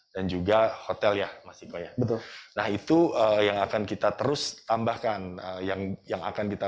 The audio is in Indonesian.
dan juga hotel ya masih goya betul nah itu yang akan kita terus tambahkan yang yang akan kita